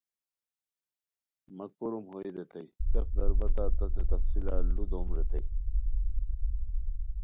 مہ کوروم ہوئے ریتائے څیق دربتہ تتے تفصیلہ ُ لو دوم ریتائے